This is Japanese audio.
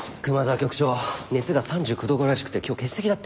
局長熱が３９℃超えらしくて今日欠席だって。